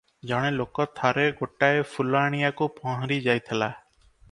ଜଣେ ଲୋକ ଥରେ ଗୋଟାଏ ଫୁଲ ଆଣିବାକୁ ପହଁରି ଯାଇଥିଲା ।